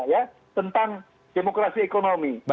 ya tentang demokrasi ekonomi